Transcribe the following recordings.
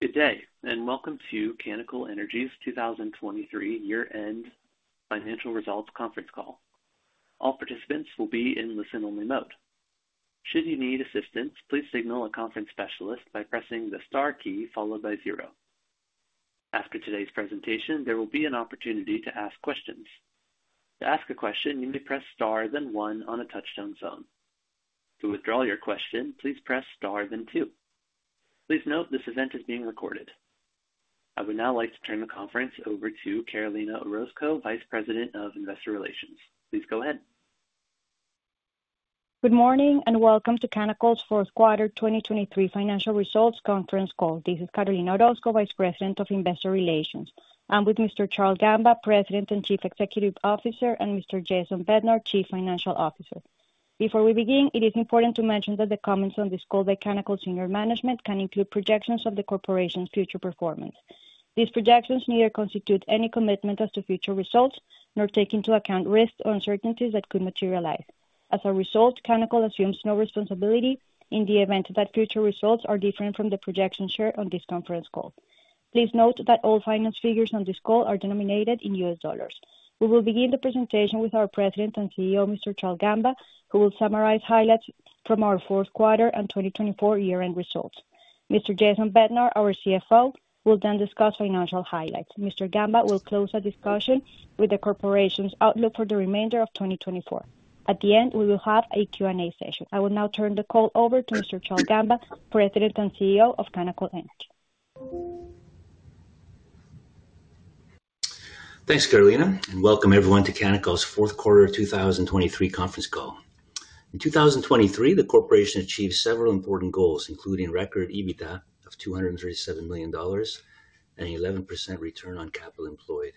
Good day, and welcome to Canacol Energy's 2023 year-end financial results conference call. All participants will be in listen-only mode. Should you need assistance, please signal a conference specialist by pressing the star key followed by zero. After today's presentation, there will be an opportunity to ask questions. To ask a question, you may press star, then one on a touch-tone phone. To withdraw your question, please press star, then two. Please note, this event is being recorded. I would now like to turn the conference over to Carolina Orozco, Vice President of Investor Relations. Please go ahead. Good morning, and welcome to Canacol's fourth quarter 2023 financial results conference call. This is Carolina Orozco, Vice President of Investor Relations. I'm with Mr. Charle Gamba, President and Chief Executive Officer, and Mr. Jason Bednar, Chief Financial Officer. Before we begin, it is important to mention that the comments on this call by Canacol's senior management can include projections of the corporation's future performance. These projections neither constitute any commitment as to future results, nor take into account risks or uncertainties that could materialize. As a result, Canacol assumes no responsibility in the event that future results are different from the projections shared on this conference call. Please note that all finance figures on this call are denominated in U.S. dollars. We will begin the presentation with our President and CEO, Mr. Charle Gamba, who will summarize highlights from our fourth quarter and 2024 year-end results. Mr. Jason Bednar, our CFO, will then discuss financial highlights. Mr. Gamba will close our discussion with the corporation's outlook for the remainder of 2024. At the end, we will have a Q&A session. I will now turn the call over to Mr. Charle Gamba, President and CEO of Canacol Energy. Thanks, Carolina, and welcome everyone to Canacol's fourth quarter of 2023 conference call. In 2023, the corporation achieved several important goals, including record EBITDA of $237 million and 11% return on capital employed.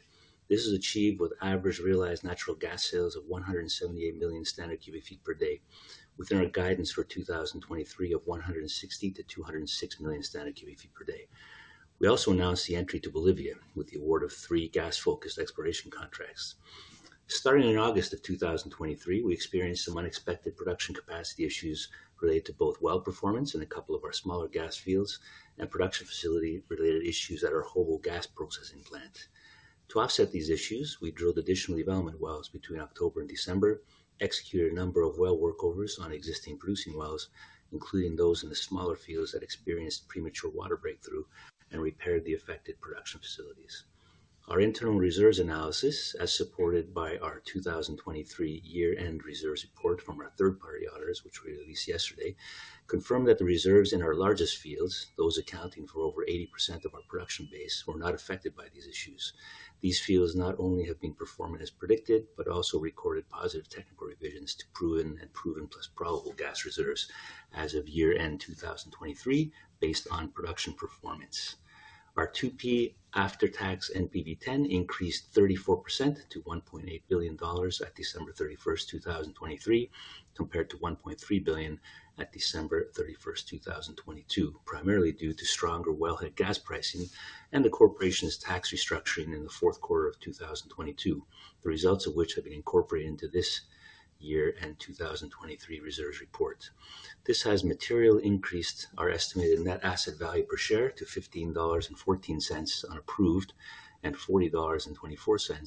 This is achieved with average realized natural gas sales of 178 million standard cubic feet per day, within our guidance for 2023 of 160 million-206 million standard cubic feet per day. We also announced the entry to Bolivia with the award of three gas-focused exploration contracts. Starting in August of 2023, we experienced some unexpected production capacity issues related to both well performance in a couple of our smaller gas fields and production facility-related issues at our Jobo gas processing plant. To offset these issues, we drilled additional development wells between October and December, executed a number of well workovers on existing producing wells, including those in the smaller fields that experienced premature water breakthrough, and repaired the affected production facilities. Our internal reserves analysis, as supported by our 2023 year-end reserves report from our third-party auditors, which we released yesterday, confirmed that the reserves in our largest fields, those accounting for over 80% of our production base, were not affected by these issues. These fields not only have been performing as predicted, but also recorded positive technical revisions to proven and proven plus probable gas reserves as of year-end 2023, based on production performance. Our 2P after-tax NPV10 increased 34% to $1.8 billion at December 31, 2023, compared to $1.3 billion at December 31, 2022, primarily due to stronger wellhead gas pricing and the corporation's tax restructuring in the fourth quarter of 2022. The results of which have been incorporated into this year-end 2023 reserves report. This has materially increased our estimated net asset value per share to 15.14 dollars on proved and 40.24 dollars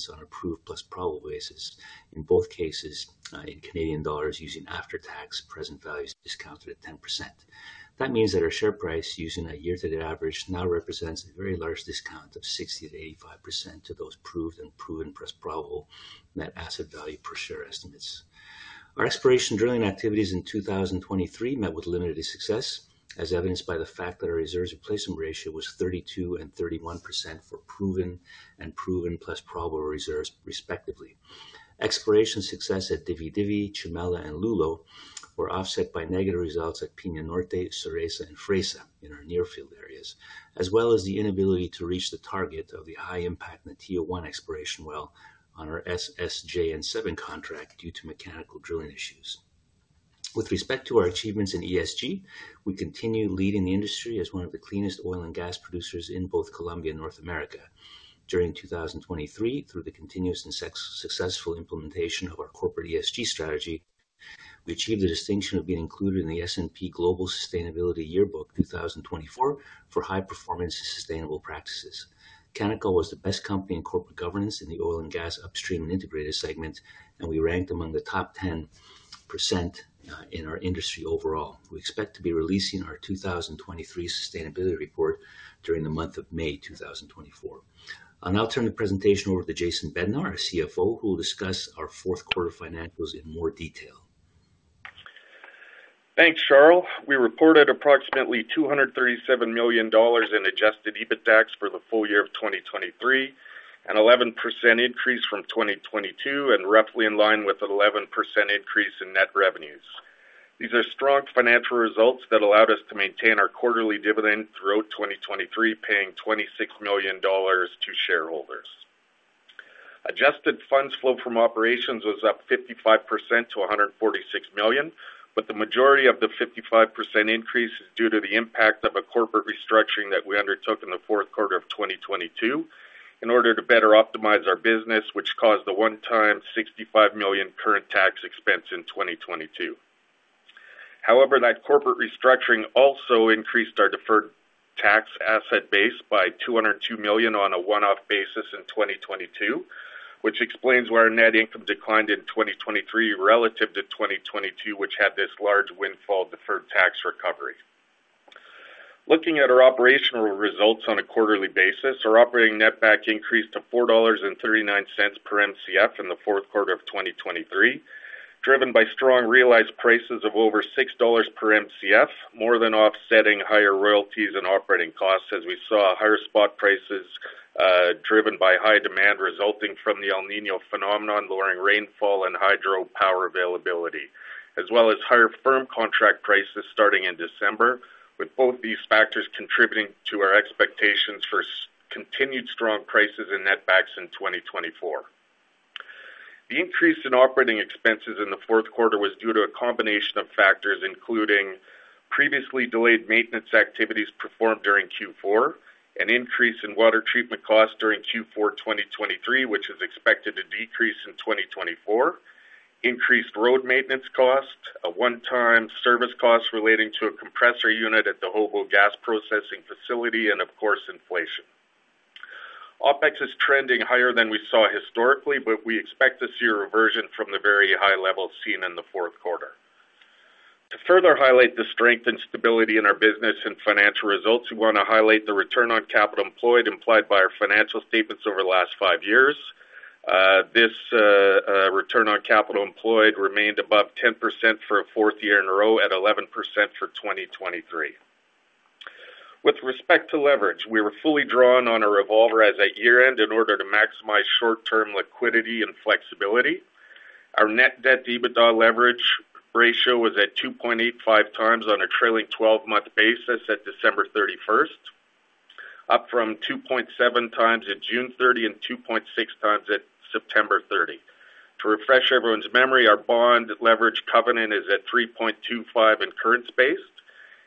on proved plus probable basis, in both cases, in Canadian dollars, using after-tax present values discounted at 10%. That means that our share price, using a year-to-date average, now represents a very large discount of 60%-85% to those proved and proved plus probable net asset value per share estimates. Our exploration drilling activities in 2023 met with limited success, as evidenced by the fact that our reserves replacement ratio was 32% and 31% for proven and proven plus probable reserves, respectively. Exploration success at Dividivi, Chimela, and Lulo were offset by negative results at Piña Norte, Cereza, and Fresa in our near field areas, as well as the inability to reach the target of the high impact Natilla-1 exploration well on our SSJN-7 contract due to mechanical drilling issues. With respect to our achievements in ESG, we continue leading the industry as one of the cleanest oil and gas producers in both Colombia and North America. During 2023, through the continuous and successful implementation of our corporate ESG strategy, we achieved the distinction of being included in the S&P Global Sustainability Yearbook 2024 for high performance and sustainable practices. Canacol was the best company in corporate governance in the oil and gas upstream and integrated segment, and we ranked among the top 10%, in our industry overall. We expect to be releasing our 2023 sustainability report during the month of May 2024. I'll now turn the presentation over to Jason Bednar, our CFO, who will discuss our fourth quarter financials in more detail. Thanks, Charle. We reported approximately $237 million in adjusted EBITDAX for the full year of 2023, an 11% increase from 2022, and roughly in line with 11% increase in net revenues. These are strong financial results that allowed us to maintain our quarterly dividend throughout 2023, paying $26 million to shareholders. Adjusted funds flow from operations was up 55% to $146 million, but the majority of the 55% increase is due to the impact of a corporate restructuring that we undertook in the fourth quarter of 2022 in order to better optimize our business, which caused a one-time $65 million current tax expense in 2022.... However, that corporate restructuring also increased our deferred tax asset base by $202 million on a one-off basis in 2022, which explains why our net income declined in 2023 relative to 2022, which had this large windfall deferred tax recovery. Looking at our operational results on a quarterly basis, our operating netback increased to $4.39 per Mcf in the fourth quarter of 2023, driven by strong realized prices of over $6 per Mcf, more than offsetting higher royalties and operating costs as we saw higher spot prices, driven by high demand resulting from the El Niño phenomenon, lowering rainfall and hydropower availability, as well as higher firm contract prices starting in December, with both these factors contributing to our expectations for continued strong prices and netbacks in 2024. The increase in operating expenses in the fourth quarter was due to a combination of factors, including previously delayed maintenance activities performed during Q4, an increase in water treatment costs during Q4 2023, which is expected to decrease in 2024, increased road maintenance costs, a one-time service cost relating to a compressor unit at the Jobo gas processing facility, and of course, inflation. OpEx is trending higher than we saw historically, but we expect to see a reversion from the very high levels seen in the fourth quarter. To further highlight the strength and stability in our business and financial results, we wanna highlight the return on capital employed implied by our financial statements over the last five years. return on capital employed remained above 10% for a fourth year in a row at 11% for 2023. With respect to leverage, we were fully drawn on a revolver as at year-end in order to maximize short-term liquidity and flexibility. Our net debt EBITDA leverage ratio was at 2.85x on a trailing twelve-month basis at December 31, up from 2.7x at June 30, and 2.6x at September 30. To refresh everyone's memory, our bond leverage covenant is at 3.25 in current space,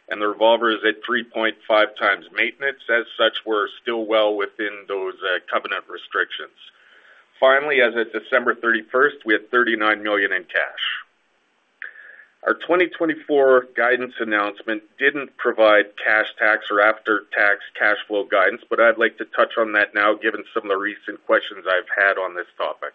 and the revolver is at 3.5x maintenance. As such, we're still well within those covenant restrictions. Finally, as of December 31, we had $39 million in cash. Our 2024 guidance announcement didn't provide cash tax or after-tax cash flow guidance, but I'd like to touch on that now, given some of the recent questions I've had on this topic.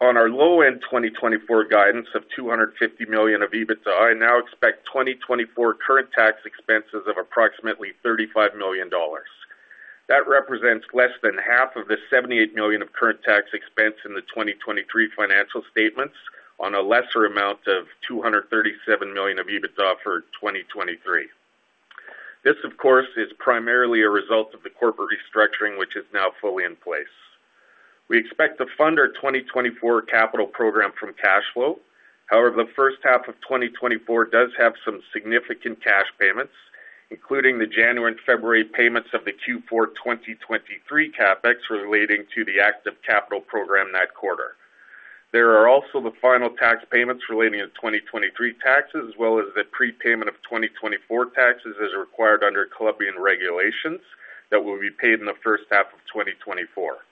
On our low-end 2024 guidance of $250 million of EBITDA, I now expect 2024 current tax expenses of approximately $35 million. That represents less than half of the $78 million of current tax expense in the 2023 financial statements on a lesser amount of $237 million of EBITDA for 2023. This, of course, is primarily a result of the corporate restructuring, which is now fully in place. We expect to fund our 2024 capital program from cash flow. However, the first half of 2024 does have some significant cash payments, including the January and February payments of the Q4 2023 CapEx relating to the active capital program that quarter. There are also the final tax payments relating to 2023 taxes, as well as the prepayment of 2024 taxes, as required under Colombian regulations, that will be paid in the first half of 2024.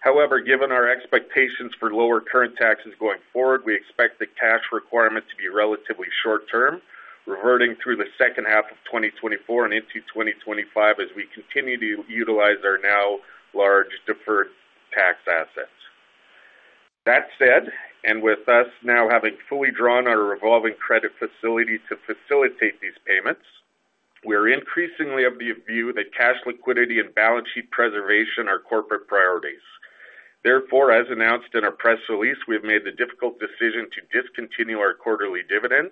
However, given our expectations for lower current taxes going forward, we expect the cash requirement to be relatively short-term, reverting through the second half of 2024 and into 2025 as we continue to utilize our now large deferred tax assets. That said, and with us now having fully drawn our revolving credit facility to facilitate these payments, we are increasingly of the view that cash liquidity and balance sheet preservation are corporate priorities. Therefore, as announced in our press release, we have made the difficult decision to discontinue our quarterly dividend.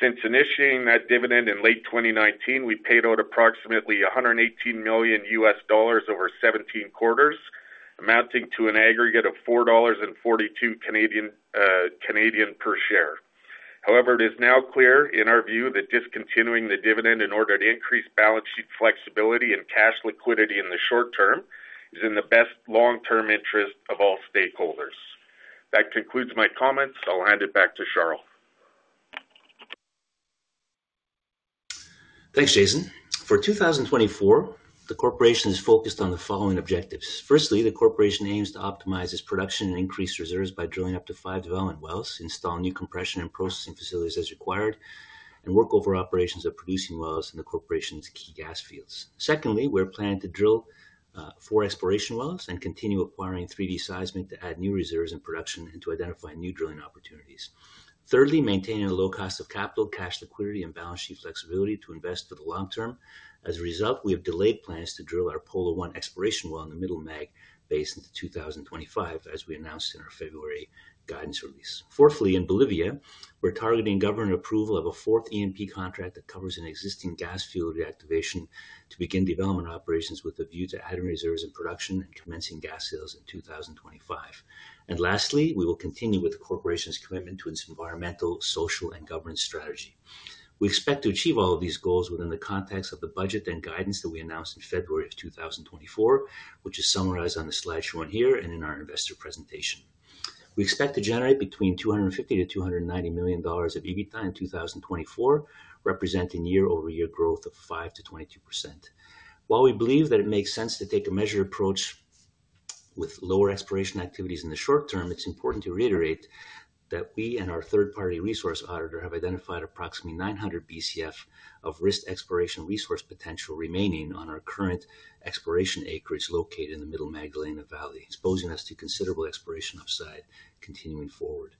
Since initiating that dividend in late 2019, we paid out approximately $118 million over 17 quarters, amounting to an aggregate of 4.42 dollars per share. However, it is now clear, in our view, that discontinuing the dividend in order to increase balance sheet flexibility and cash liquidity in the short term is in the best long-term interest of all stakeholders. That concludes my comments. I'll hand it back to Charle. Thanks, Jason. For 2024, the corporation is focused on the following objectives. Firstly, the corporation aims to optimize its production and increase reserves by drilling up to five development wells, installing new compression and processing facilities as required, and workover operations of producing wells in the corporation's key gas fields. Secondly, we're planning to drill four exploration wells and continue acquiring 3D seismic to add new reserves and production and to identify new drilling opportunities. Thirdly, maintaining a low cost of capital, cash liquidity, and balance sheet flexibility to invest for the long term. As a result, we have delayed plans to drill our Polar-1 exploration well in the Middle Magdalena Basin to 2025, as we announced in our February guidance release. Fourthly, in Bolivia, we're targeting government approval of a fourth E&P contract that covers an existing gas-fueled reactivation to begin development operations with a view to adding reserves and production and commencing gas sales in 2025. And lastly, we will continue with the corporation's commitment to its environmental, social, and governance strategy. We expect to achieve all of these goals within the context of the budget and guidance that we announced in February of 2024, which is summarized on the slide shown here and in our investor presentation. We expect to generate between $250 million and $290 million of EBITDA in 2024, representing year-over-year growth of 5%-22%. While we believe that it makes sense to take a measured approach. With lower exploration activities in the short term, it's important to reiterate that we and our third-party resource auditor have identified approximately 900 BCF of risked exploration resource potential remaining on our current exploration acreage located in the Middle Magdalena Basin, exposing us to considerable exploration upside continuing forward.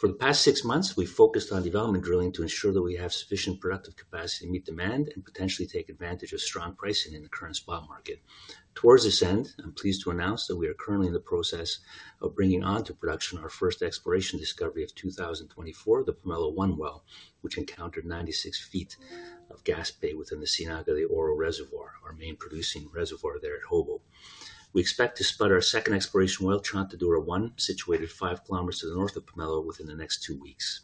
For the past six months, we've focused on development drilling to ensure that we have sufficient productive capacity to meet demand and potentially take advantage of strong pricing in the current spot market. Towards this end, I'm pleased to announce that we are currently in the process of bringing onto production our first exploration discovery of 2024, the Pomelo-1 well, which encountered 96 feet of gas pay within the Ciénaga de Oro Reservoir, our main producing reservoir there at Jobo. We expect to spud our second exploration well, Chontaduro-1, situated five kilometers to the north of Pomelo, within the next two weeks.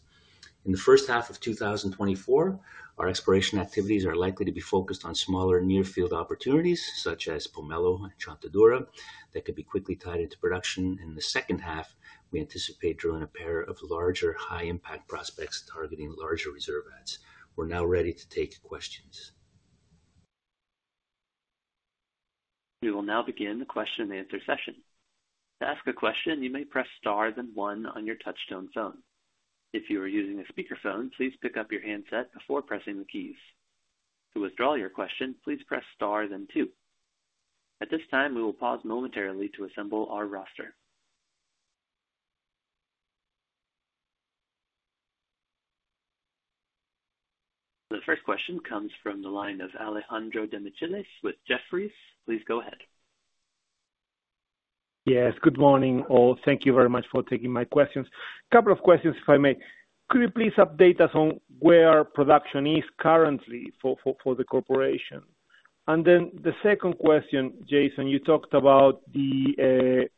In the first half of 2024, our exploration activities are likely to be focused on smaller, near field opportunities, such as Pomelo and Chontaduro, that could be quickly tied into production. In the second half, we anticipate drilling a pair of larger, high-impact prospects targeting larger reserve adds. We're now ready to take questions. We will now begin the question and answer session. To ask a question, you may press star, then one on your touchtone phone. If you are using a speakerphone, please pick up your handset before pressing the keys. To withdraw your question, please press Star, then two. At this time, we will pause momentarily to assemble our roster. The first question comes from the line of Alejandro Demichelis with Jefferies. Please go ahead. Yes, good morning, all. Thank you very much for taking my questions. A couple of questions, if I may: Could you please update us on where production is currently for the corporation? And then the second question, Jason, you talked about the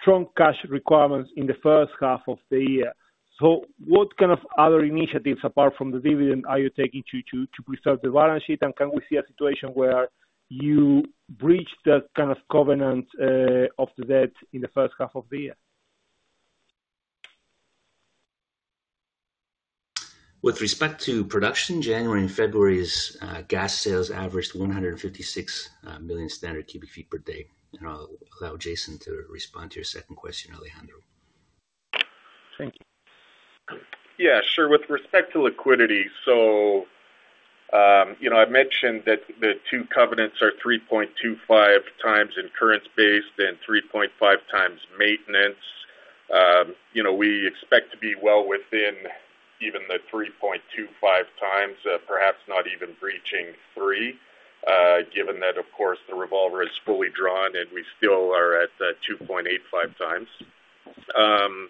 strong cash requirements in the first half of the year. So what kind of other initiatives, apart from the dividend, are you taking to preserve the balance sheet? And can we see a situation where you breach that kind of covenant of the debt in the first half of the year? With respect to production, January and February's gas sales averaged 156 million standard cubic feet per day. I'll allow Jason to respond to your second question, Alejandro. Thank you. Yeah, sure. With respect to liquidity, so, you know, I've mentioned that the two covenants are 3.25x in incurrence and 3.5 times maintenance. You know, we expect to be well within even the 3.25x, perhaps not even breaching three, given that, of course, the revolver is fully drawn and we still are at 2.85x. In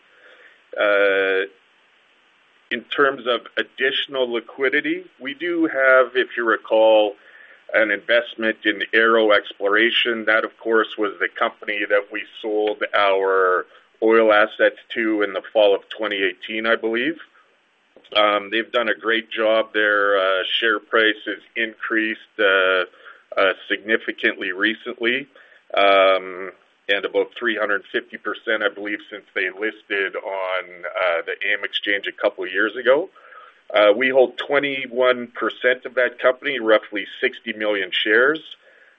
terms of additional liquidity, we do have, if you recall, an investment in Arrow Exploration. That, of course, was the company that we sold our oil assets to in the fall of 2018, I believe. They've done a great job. Their share price has increased significantly recently, and about 350%, I believe, since they listed on the AIM Exchange a couple of years ago. We hold 21% of that company, roughly 60 million shares.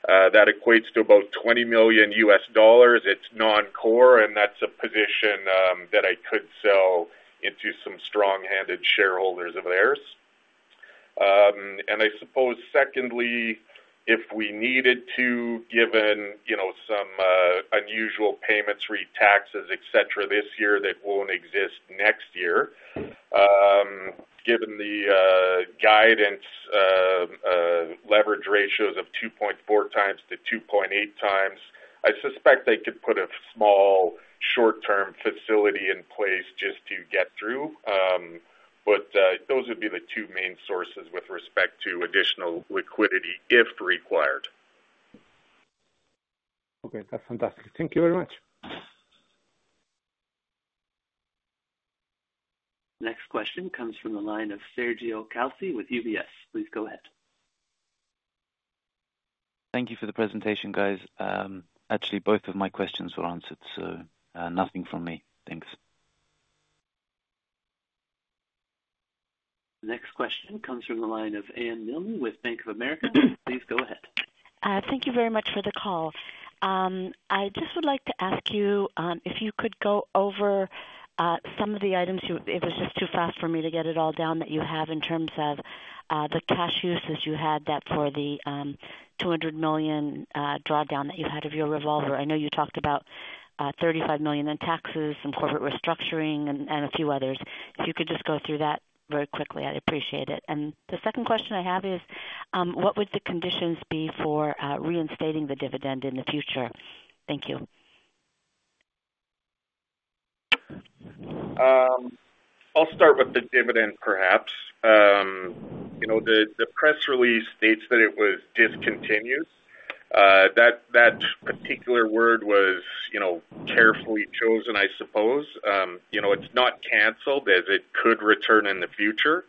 That equates to about $20 million. It's non-core, and that's a position that I could sell into some strong-handed shareholders of theirs. And I suppose secondly, if we needed to, given you know some unusual payments, taxes, et cetera, this year, that won't exist next year. Given the guidance, leverage ratios of 2.4x-2.8x, I suspect they could put a small short-term facility in place just to get through. But those would be the two main sources with respect to additional liquidity, if required. Okay. That's fantastic. Thank you very much. Next question comes from the line of Sergio Calci with UBS. Please go ahead. Thank you for the presentation, guys. Actually, both of my questions were answered, so, nothing from me. Thanks. The next question comes from the line of Anne Milne with Bank of America. Please go ahead. Thank you very much for the call. I just would like to ask you if you could go over some of the items, it was just too fast for me to get it all down, that you have in terms of the cash uses you had that for the $200 million drawdown that you had of your revolver. I know you talked about $35 million in taxes, some corporate restructuring and a few others. If you could just go through that very quickly, I'd appreciate it. And the second question I have is, what would the conditions be for reinstating the dividend in the future? Thank you. I'll start with the dividend, perhaps. You know, the press release states that it was discontinued. That particular word was, you know, carefully chosen, I suppose. You know, it's not canceled, as it could return in the future.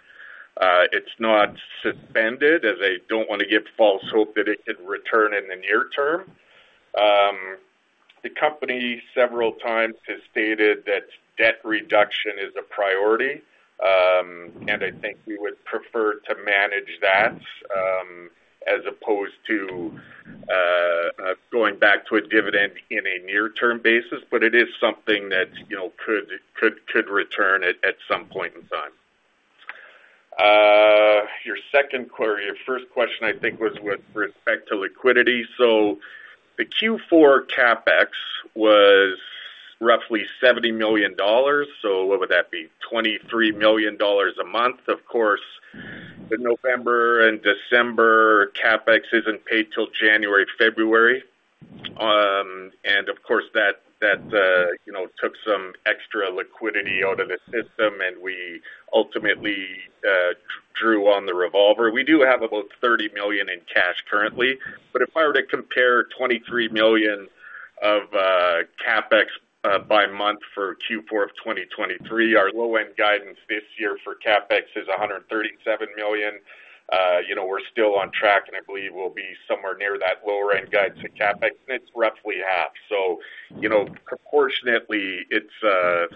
It's not suspended, as I don't want to give false hope that it could return in the near term. The company several times has stated that debt reduction is a priority. And I think we would prefer to manage that, as opposed to going back to a dividend in a near-term basis, but it is something that, you know, could return at some point in time. Your second query, your first question, I think, was with respect to liquidity. So the Q4 CapEx was roughly $70 million, so what would that be? $23 million a month. Of course, the November and December CapEx isn't paid till January, February. And of course, that, that, you know, took some extra liquidity out of the system, and we ultimately drew on the revolver. We do have about $30 million in cash currently, but if I were to compare $23 million of CapEx by month for Q4 of 2023, our low-end guidance this year for CapEx is $137 million. You know, we're still on track, and I believe we'll be somewhere near that lower end guide to CapEx, and it's roughly half. So, you know, proportionately, it's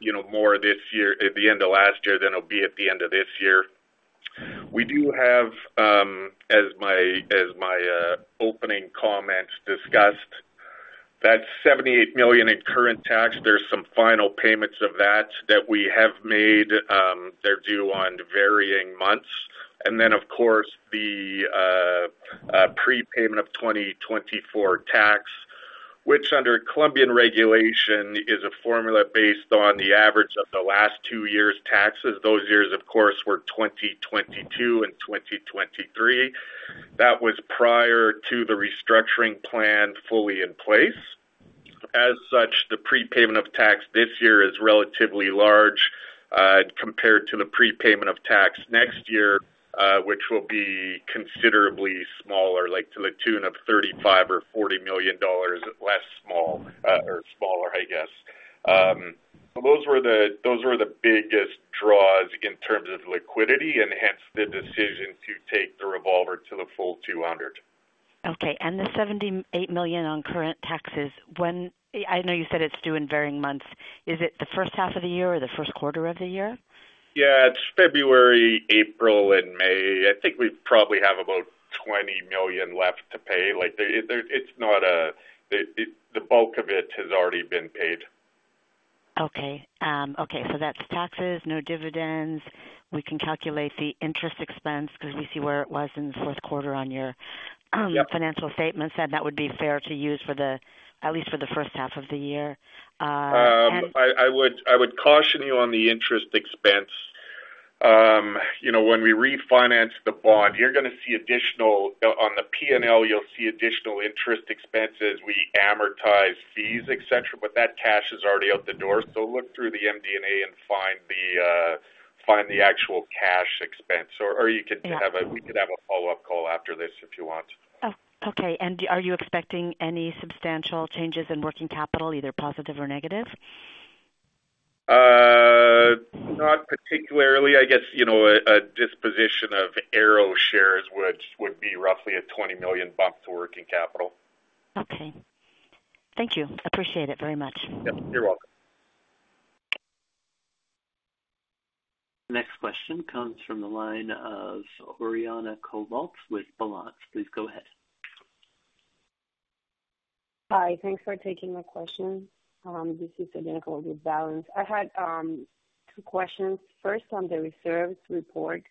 you know, more this year at the end of last year than it'll be at the end of this year. We do have, as my opening comments discussed, that $78 million in current tax, there's some final payments of that, that we have made, they're due on varying months. And then, of course, the prepayment of 2024 tax, which under Colombian regulation, is a formula based on the average of the last two years' taxes. Those years, of course, were 2022 and 2023. That was prior to the restructuring plan fully in place. As such, the prepayment of tax this year is relatively large, compared to the prepayment of tax next year, which will be considerably smaller, like to the tune of $35 million or $40 million, less small, or smaller, I guess. Those were the biggest draws in terms of liquidity, and hence the decision to take the revolver to the full $200. Okay, and the $78 million on current taxes, when... I know you said it's due in varying months. Is it the first half of the year or the first quarter of the year? Yeah, it's February, April and May. I think we probably have about $20 million left to pay. Like, it's not the bulk of it. The bulk of it has already been paid. Okay. Okay, so that's taxes, no dividends. We can calculate the interest expense because we see where it was in the fourth quarter on your- Yep. - financial statements, and that would be fair to use for the, at least for the first half of the year. and- I would caution you on the interest expense. You know, when we refinance the bond, you're gonna see additional... On the P&L, you'll see additional interest expenses. We amortize fees, et cetera, but that cash is already out the door. So look through the MD&A and find the actual cash expense, or you can have a- Yeah. We could have a follow-up call after this if you want. Oh, okay. Are you expecting any substantial changes in working capital, either positive or negative? Not particularly. I guess, you know, a disposition of Arrow shares, which would be roughly $20 million to working capital. Okay. Thank you. Appreciate it very much. Yep, you're welcome. Next question comes from the line of Oriana Covault with Balanz. Please go ahead. Hi, thanks for taking my question. This is Oriana with Balanz. I had two questions. First, on the reserves report,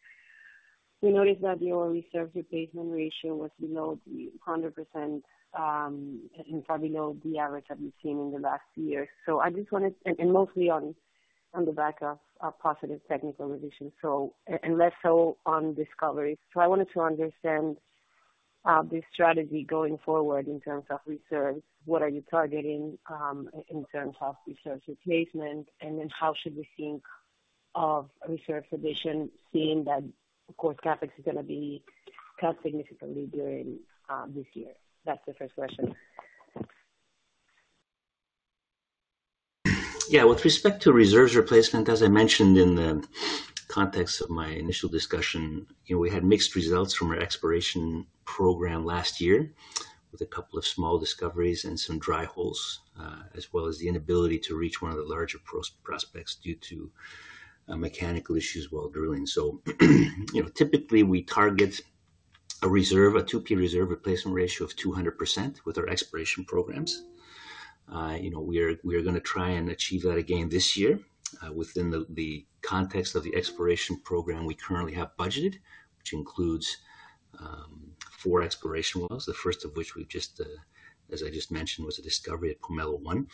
we noticed that your reserve replacement ratio was below 100%, and far below the average that we've seen in the last year. So I just wanted, and mostly on the back of positive technical addition, and less so on discovery. So I wanted to understand the strategy going forward in terms of reserves. What are you targeting in terms of reserves replacement? And then how should we think of reserve addition, seeing that, of course, CapEx is gonna be cut significantly during this year? That's the first question. Yeah, with respect to reserves replacement, as I mentioned in the context of my initial discussion, you know, we had mixed results from our exploration program last year, with a couple of small discoveries and some dry holes, as well as the inability to reach one of the larger prospects due to mechanical issues while drilling. So, you know, typically we target a 2P reserve replacement ratio of 200% with our exploration programs. You know, we're gonna try and achieve that again this year, within the context of the exploration program we currently have budgeted, which includes four exploration wells, the first of which we've just, as I just mentioned, was a discovery at Pomelo-1.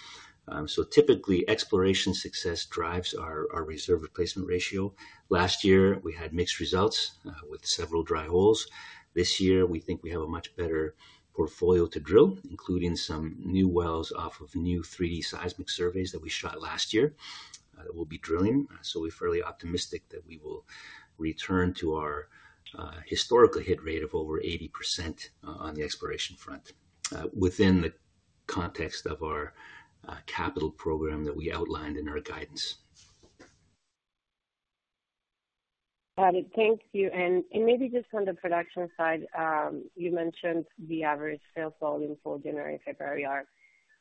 So typically, exploration success drives our reserve replacement ratio. Last year, we had mixed results, with several dry wells. This year, we think we have a much better portfolio to drill, including some new wells off of new 3D seismic surveys that we shot last year, that we'll be drilling. So we're fairly optimistic that we will return to our historical hit rate of over 80%, on the exploration front, within the context of our capital program that we outlined in our guidance.... Got it. Thank you. And maybe just on the production side, you mentioned the average sales volume for January, February are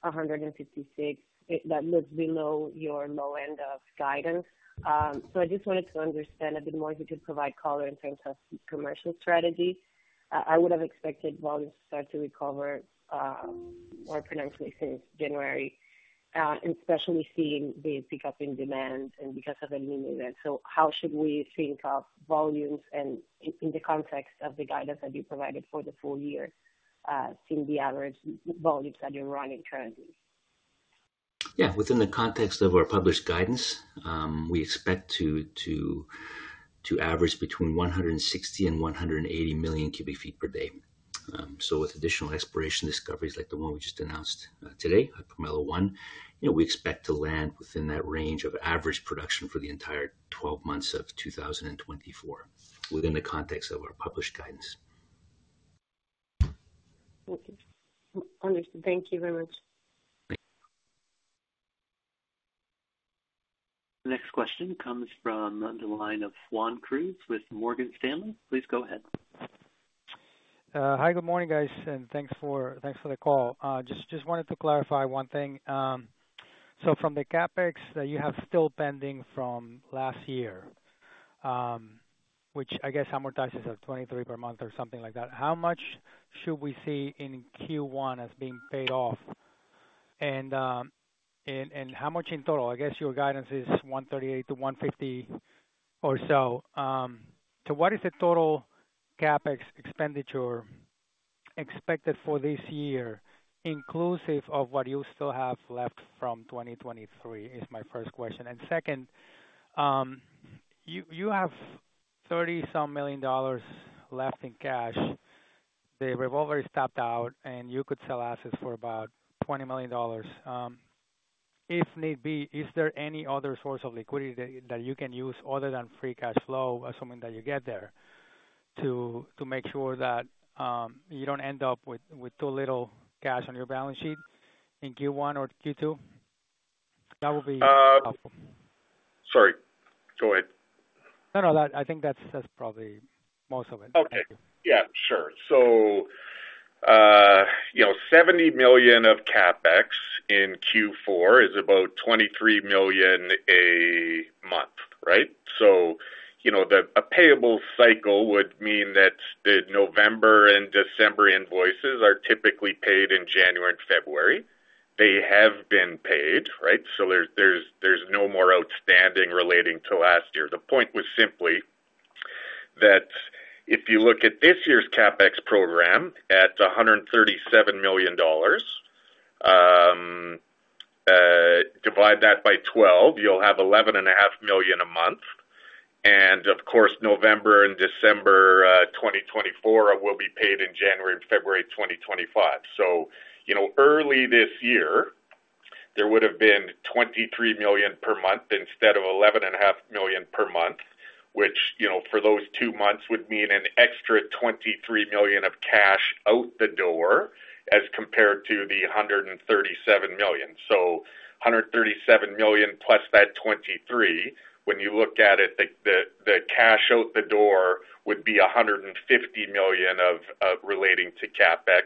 156. That looks below your low end of guidance. So I just wanted to understand a bit more if you could provide color in terms of commercial strategy. I would have expected volumes to start to recover more pronouncedly since January, and especially seeing the pickup in demand and because of the El Niño event. So how should we think of volumes and in the context of the guidance that you provided for the full year, seeing the average volumes that you're running currently? Yeah, within the context of our published guidance, we expect to average between 160 and 180 million cubic feet per day. So with additional exploration discoveries like the one we just announced today, at Pomelo-1, you know, we expect to land within that range of average production for the entire 12 months of 2024, within the context of our published guidance. Thank you. Understood. Thank you very much. Thank you. Next question comes from the line of Juan Cruz with Morgan Stanley. Please go ahead. Hi, good morning, guys, and thanks for the call. Just wanted to clarify one thing. So from the CapEx that you have still pending from last year, which I guess amortizes at 23 per month or something like that, how much should we see in Q1 as being paid off? And how much in total? I guess your guidance is $138-$150 or so. So what is the total CapEx expenditure expected for this year, inclusive of what you still have left from 2023? Is my first question. And second, you have thirty-some million dollars left in cash. The revolver is tapped out, and you could sell assets for about $20 million. If need be, is there any other source of liquidity that you can use other than free cash flow, assuming that you get there, to make sure that you don't end up with too little cash on your balance sheet in Q1 or Q2? That would be helpful. Sorry, go ahead. No, no. I think that's probably most of it. Okay. Yeah, sure. So, you know, $70 million of CapEx in Q4 is about $23 million a month, right? So, you know, a payable cycle would mean that the November and December invoices are typically paid in January and February. They have been paid, right? So there's no more outstanding relating to last year. The point was simply that if you look at this year's CapEx program at $137 million, divide that by 12, you'll have $11.5 million a month. And of course, November and December 2024 will be paid in January and February 2025. So, you know, early this year, there would have been $23 million per month instead of $11.5 million per month, which, you know, for those two months would mean an extra $23 million of cash out the door, as compared to the $137 million. So $137 million plus that $23 million, when you look at it, the cash out the door would be $150 million of relating to CapEx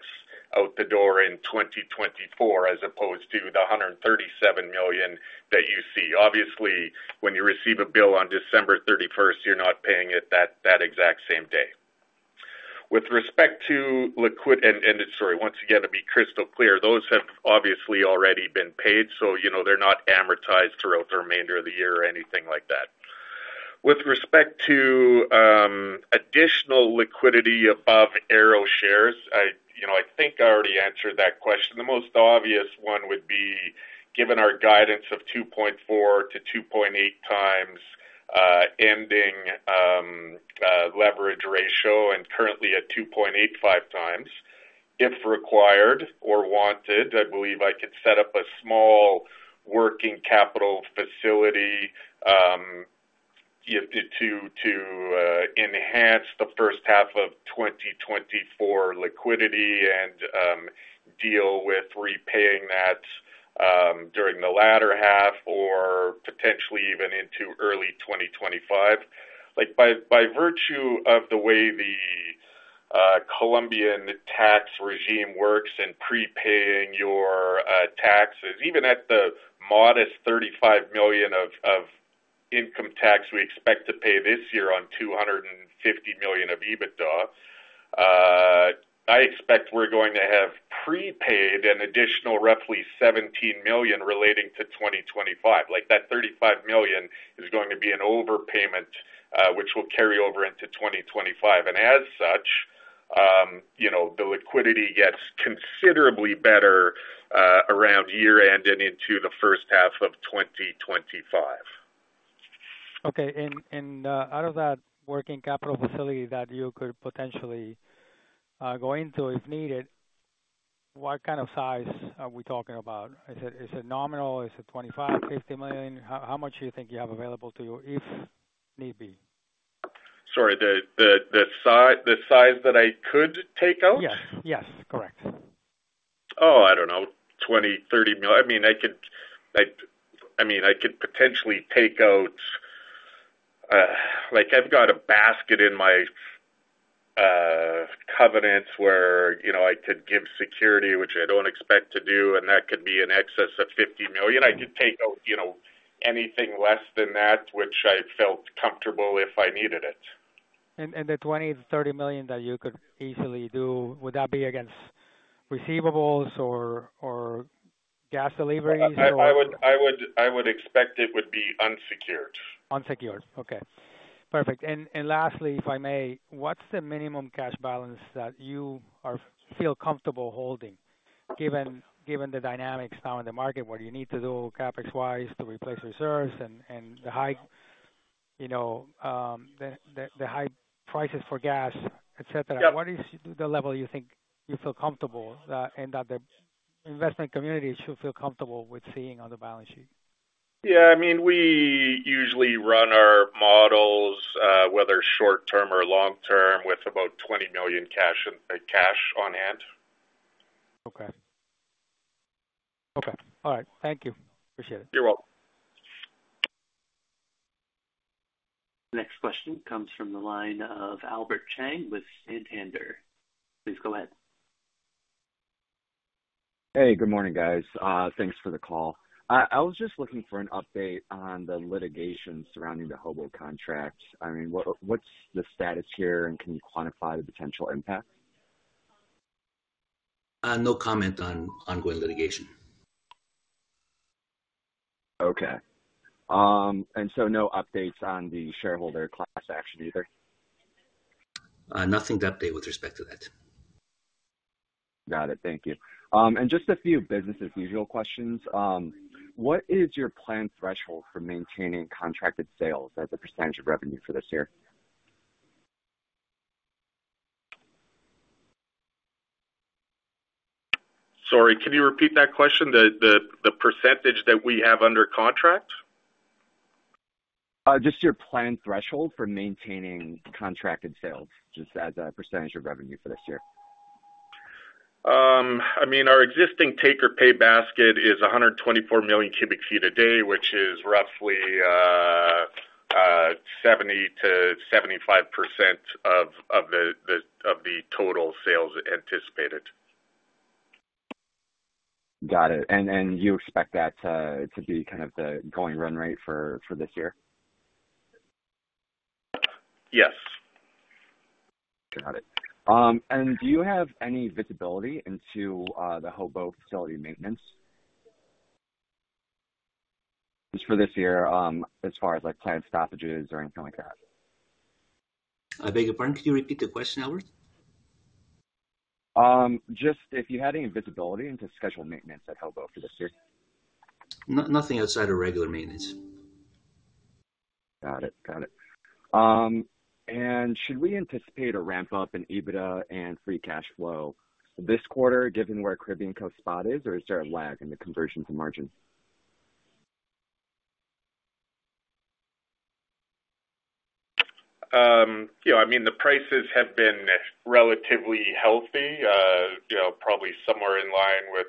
out the door in 2024, as opposed to the $137 million that you see. Obviously, when you receive a bill on December thirty-first, you're not paying it that exact same day. With respect to liquid... Sorry, once again, to be crystal clear, those have obviously already been paid, so you know, they're not amortized throughout the remainder of the year or anything like that. With respect to additional liquidity above Arrow shares, I, you know, I think I already answered that question. The most obvious one would be, given our guidance of 2.4x-2.8x ending leverage ratio, and currently at 2.85x, if required or wanted, I believe I could set up a small working capital facility to enhance the first half of 2024 liquidity and deal with repaying that during the latter half or potentially even into early 2025. Like, by virtue of the way the Colombian tax regime works in prepaying your taxes, even at the modest $35 million of income tax we expect to pay this year on $250 million of EBITDA, I expect we're going to have prepaid an additional roughly $17 million relating to 2025. Like, that $35 million is going to be an overpayment, which will carry over into 2025. And as such, you know, the liquidity gets considerably better around year-end and into the first half of 2025. Okay. And out of that working capital facility that you could potentially go into if needed, what kind of size are we talking about? Is it nominal? Is it $25 million, $50 million? How much do you think you have available to you, if need be? Sorry, the size that I could take out? Yes. Yes, correct.... $20-$30 million. I mean, I mean, I could potentially take out, like, I've got a basket in my covenants where, you know, I could give security, which I don't expect to do, and that could be in excess of $50 million. I could take out, you know, anything less than that, which I felt comfortable if I needed it. The $20 million-$30 million that you could easily do, would that be against receivables or gas deliveries or? I would expect it would be unsecured. Unsecured. Okay, perfect. And lastly, if I may, what's the minimum cash balance that you feel comfortable holding, given the dynamics now in the market, what you need to do CapEx-wise to replace reserves and the high, you know, the high prices for gas, et cetera? Yeah. What is the level you think you feel comfortable, and that the investment community should feel comfortable with seeing on the balance sheet? Yeah, I mean, we usually run our models, whether short term or long term, with about $20 million cash in, cash on hand. Okay. Okay, all right. Thank you. Appreciate it. You're welcome. Next question comes from the line of Albert Chang with Santander. Please go ahead. Hey, good morning, guys. Thanks for the call. I was just looking for an update on the litigation surrounding the Jobo contract. I mean, what, what's the status here, and can you quantify the potential impact? No comment on ongoing litigation. Okay. No updates on the shareholder class action either? Nothing to update with respect to that. Got it. Thank you. Just a few business as usual questions. What is your planned threshold for maintaining contracted sales as a percentage of revenue for this year? Sorry, can you repeat that question? The percentage that we have under contract? Just your planned threshold for maintaining contracted sales, just as a percentage of revenue for this year? I mean, our existing take-or-pay basket is 124 million cubic feet a day, which is roughly 70%-75% of the total sales anticipated. Got it. And you expect that to be kind of the going run rate for this year? Yes. Got it. And do you have any visibility into the Jobo facility maintenance? Just for this year, as far as, like, planned stoppages or anything like that? I beg your pardon. Can you repeat the question, Albert? Just if you had any visibility into scheduled maintenance at Jobo for this year? Nothing outside of regular maintenance. Got it. Got it. Should we anticipate a ramp-up in EBITDA and free cash flow this quarter, given where Caribbean Coast spot is, or is there a lag in the conversion to margin? You know, I mean, the prices have been relatively healthy, you know, probably somewhere in line with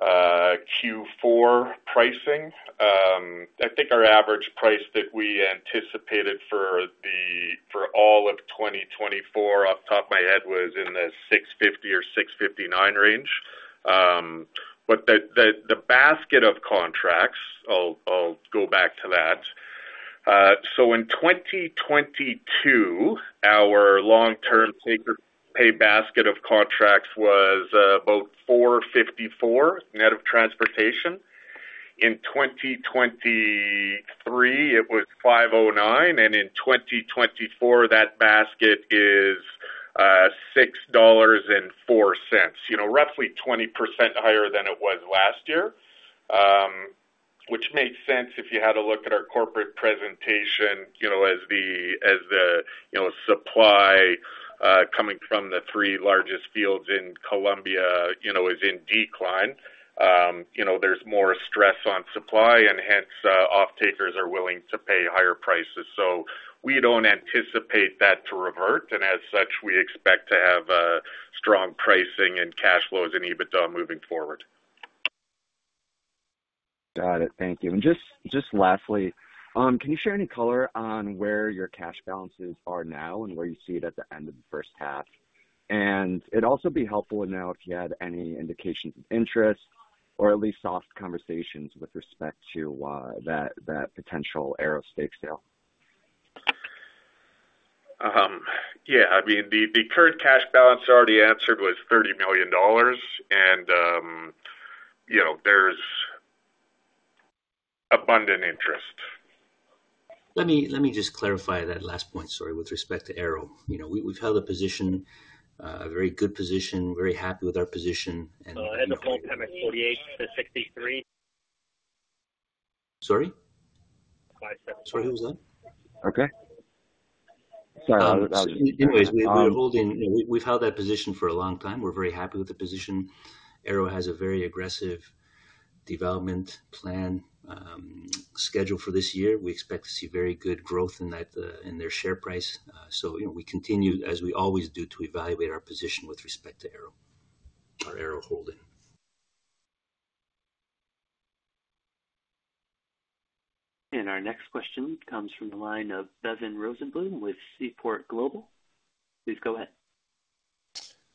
Q4 pricing. I think our average price that we anticipated for the—for all of 2024, off the top of my head, was in the $6.50 or $6.59 range. But the basket of contracts, I'll go back to that. So in 2022, our long-term take-or-pay basket of contracts was about $4.54, net of transportation. In 2023, it was $5.09, and in 2024, that basket is $6.04. You know, roughly 20% higher than it was last year, which makes sense if you had a look at our corporate presentation, you know, as the supply coming from the three largest fields in Colombia, you know, is in decline. You know, there's more stress on supply, and hence, offtakers are willing to pay higher prices. So we don't anticipate that to revert, and as such, we expect to have strong pricing and cash flows and EBITDA moving forward. Got it. Thank you. And just lastly, can you share any color on where your cash balances are now and where you see it at the end of the first half? And it'd also be helpful to know if you had any indications of interest or at least soft conversations with respect to that potential Arrow stake sale. Yeah, I mean, the current cash balance already answered was $30 million, and, you know, there's abundant interest. Let me just clarify that last point, sorry, with respect to Arrow. You know, we've held a position, a very good position, very happy with our position, and- At the close, time at 48-63. Sorry? Five seven... Sorry, who was that? Okay. Sorry about that. Anyways, we're holding. We've held that position for a long time. We're very happy with the position. Arrow has a very aggressive development plan scheduled for this year. We expect to see very good growth in that, in their share price. So, you know, we continue, as we always do, to evaluate our position with respect to Arrow, our Arrow holding. Our next question comes from the line of Bevan Rosenbloom with Seaport Global. Please go ahead.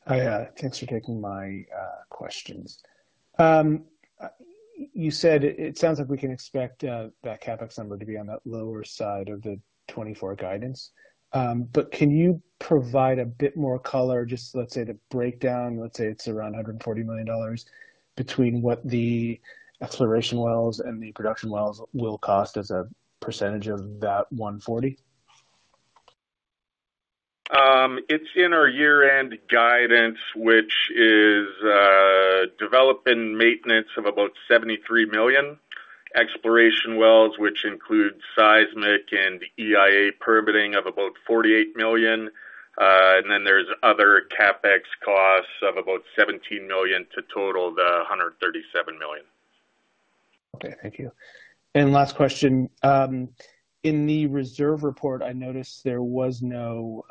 Hi, thanks for taking my questions. You said it sounds like we can expect that CapEx number to be on that lower side of the 2024 guidance. But can you provide a bit more color, just, let's say, the breakdown, let's say it's around $140 million between what the exploration wells and the production wells will cost as a percentage of that $140 million? It's in our year-end guidance, which is development and maintenance of about $73 million. Exploration wells, which includes seismic and EIA permitting of about $48 million. And then there's other CapEx costs of about $17 million to total the $137 million. Okay, thank you. Last question. In the reserve report, I noticed there was no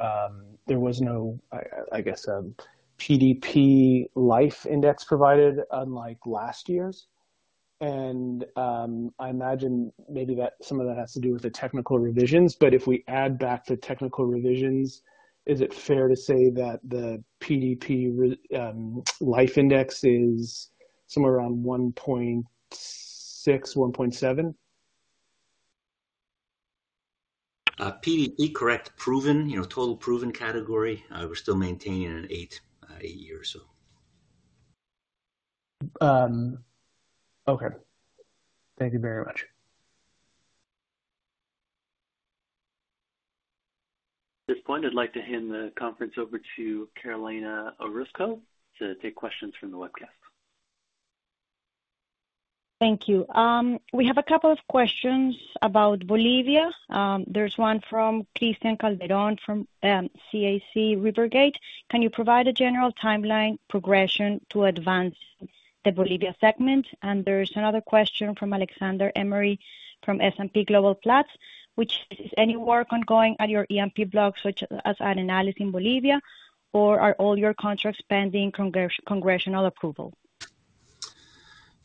PDP life index provided, unlike last year's. I imagine maybe that some of that has to do with the technical revisions, but if we add back the technical revisions, is it fair to say that the PDP life index is somewhere around 1.6x-1.7x? PDP, correct. Proven, you know, total proven category, we're still maintaining an 8, 8 years, so. Okay. Thank you very much. At this point, I'd like to hand the conference over to Carolina Orozco to take questions from the webcast. Thank you. We have a couple of questions about Bolivia. There's one from Cristian Calderon, from CAC Rivergate. Can you provide a general timeline progression to advance the Bolivia segment? And there is another question from Alexander Emery, from S&P Global Platts, which is, any work ongoing at your E&P blocks, which are under analysis in Bolivia, or are all your contracts pending congressional approval?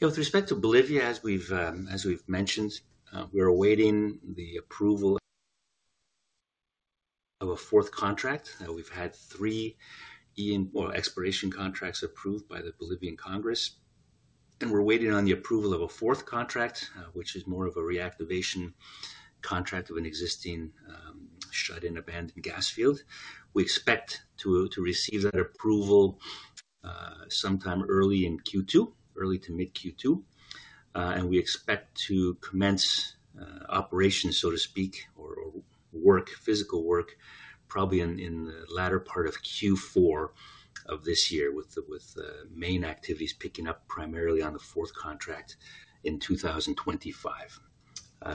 With respect to Bolivia, as we've mentioned, we're awaiting the approval of a fourth contract. We've had three exploration contracts approved by the Bolivian Congress, and we're waiting on the approval of a fourth contract, which is more of a reactivation contract of an existing, shut and abandoned gas field. We expect to receive that approval sometime early in Q2, early to mid Q2. And we expect to commence operations, so to speak, or physical work, probably in the latter part of Q4 of this year, with the main activities picking up primarily on the fourth contract in 2025.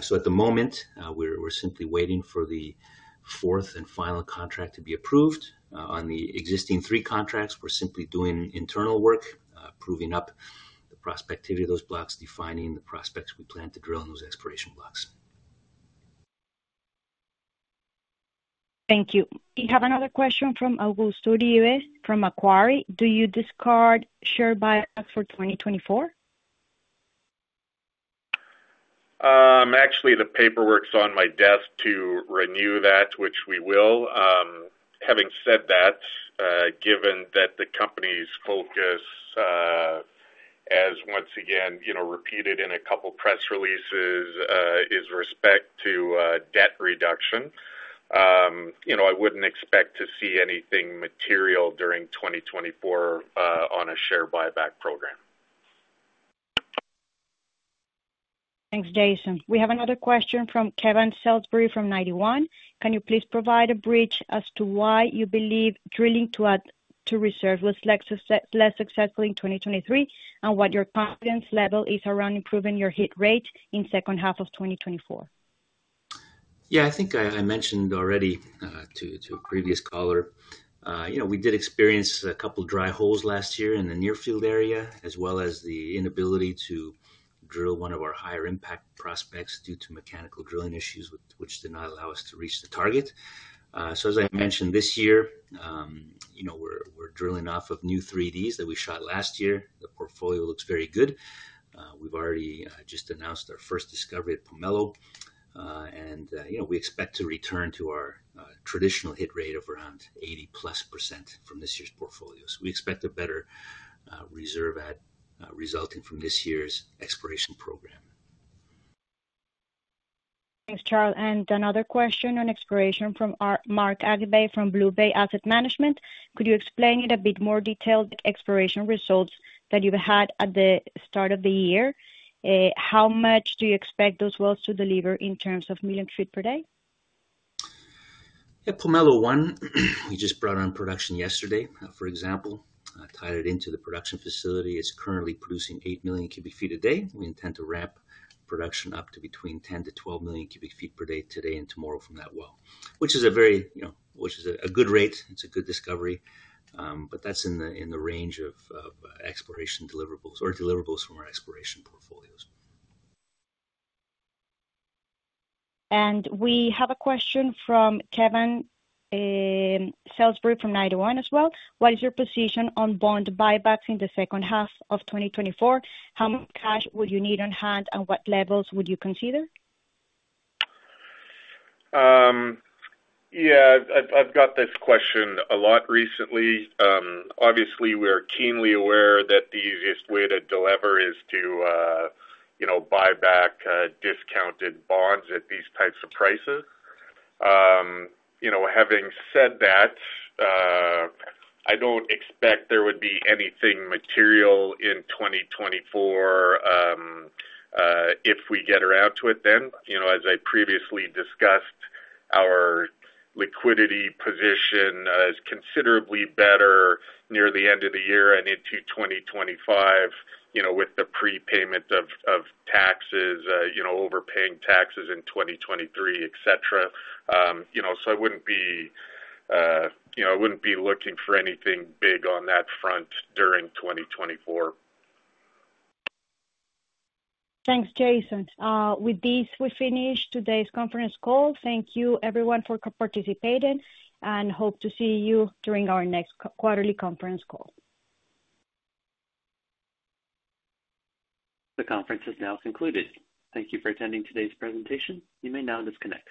So at the moment, we're simply waiting for the fourth and final contract to be approved. On the existing three contracts, we're simply doing internal work, proving up the prospectivity of those blocks, defining the prospects we plan to drill in those exploration blocks. Thank you. We have another question from Augusto Diez, from Macquarie. Do you discard share buyback for 2024? Actually, the paperwork's on my desk to renew that, which we will. Having said that, given that the company's focus, as once again, you know, repeated in a couple of press releases, is respect to debt reduction, you know, I wouldn't expect to see anything material during 2024, on a share buyback program. Thanks, Jason. We have another question from Kevan Salisbury, from Ninety One: Can you please provide a bridge as to why you believe drilling to add to reserves was less successful in 2023, and what your confidence level is around improving your hit rate in second half of 2024? Yeah, I think I mentioned already to a previous caller, you know, we did experience a couple dry holes last year in the near field area, as well as the inability to drill one of our higher impact prospects due to mechanical drilling issues, which did not allow us to reach the target. So as I mentioned this year, you know, we're drilling off of new 3Ds that we shot last year. The portfolio looks very good. We've already just announced our first discovery at Pomelo. And, you know, we expect to return to our traditional hit rate of around 80%+ from this year's portfolio. So we expect a better reserves add resulting from this year's exploration program. Thanks, Charles. And another question on exploration from our Mark Agaiby from BlueBay Asset Management. Could you explain in a bit more detail exploration results that you've had at the start of the year? How much do you expect those wells to deliver in terms of million cubic feet per day? Yeah, Pomelo-1, we just brought on production yesterday, for example, tied it into the production facility. It's currently producing eight million cubic feet a day. We intend to ramp production up to between 10-12 million cubic feet per day, today and tomorrow from that well, which is a very, you know, which is a, a good rate. It's a good discovery. But that's in the, in the range of, of exploration deliverables or deliverables from our exploration portfolios. We have a question from Kevan Salisbury from Ninety One as well. What is your position on bond buybacks in the second half of 2024? How much cash will you need on hand, and what levels would you consider? Yeah, I've, I've got this question a lot recently. Obviously, we are keenly aware that the easiest way to delever is to, you know, buy back, discounted bonds at these types of prices. You know, having said that, I don't expect there would be anything material in 2024, if we get around to it then. You know, as I previously discussed, our liquidity position is considerably better near the end of the year and into 2025, you know, with the prepayment of, of taxes, you know, overpaying taxes in 2023, et cetera. You know, so I wouldn't be, you know, I wouldn't be looking for anything big on that front during 2024. Thanks, Jason. With this, we finish today's conference call. Thank you everyone for participating, and hope to see you during our next quarterly conference call. The conference is now concluded. Thank you for attending today's presentation. You may now disconnect.